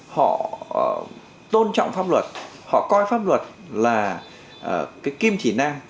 họ tôn trọng pháp luật họ coi pháp luật là cái kim chỉ nam